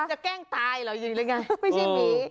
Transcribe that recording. จะแกล้งตายเหรออยู่นี่แหละไงไม่ใช่หมี